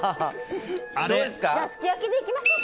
じゃあ、すき焼きでいきましょうか。